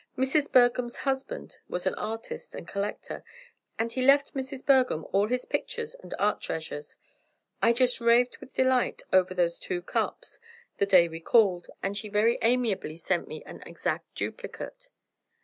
"Mrs. Bergham's husband was an artist and collector, and he left Mrs. Bergham all his pictures and art treasures. I just raved with delight over those two cups, the day we called, and she very amiably sent me an exact duplicate."